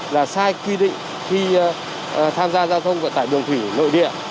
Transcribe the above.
là sai quy định khi tham gia giao thông tại đường thủy nội địa